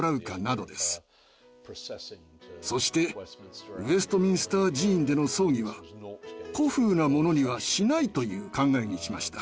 そしてウェストミンスター寺院での葬儀は古風なものにはしないという考えにしました。